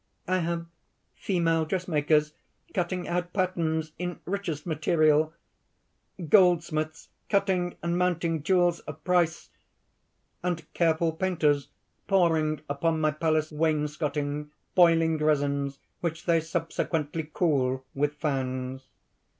I have female dressmakers cutting out patterns in richest material, goldsmiths cutting and mounting jewels of price, and careful painters pouring upon my palace wainscoting boiling resins, which they subsequently cool with fans.